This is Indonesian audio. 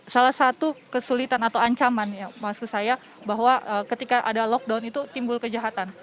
salah satu kesulitan atau ancaman ya maksud saya bahwa ketika ada lockdown itu timbul kejahatan